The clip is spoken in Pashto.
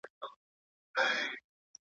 که تور تخته وي نو درس نه ګډوډیږي.